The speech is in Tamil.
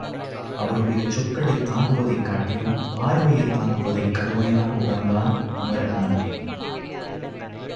அவருடைய சொற்களைத் தாங்குவதைக் காட்டிலும் பார்வையைத் தாங்குவதைக் கடுமையாக உணர்ந்தான் குமரன் நம்பி.